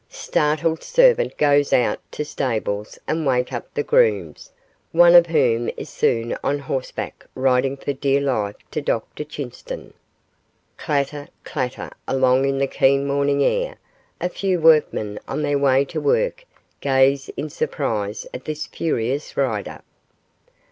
Startled servant goes out to stables and wakes up the grooms, one of whom is soon on horseback riding for dear life to Dr Chinston. Clatter clatter along in the keen morning air; a few workmen on their way to work gaze in surprise at this furious rider.